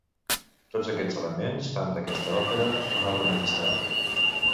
Tots aquests elements fan d'aquesta òpera una obra magistral.